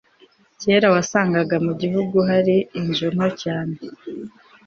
kera, wasangaga mu gihugu hari inzu nto cyane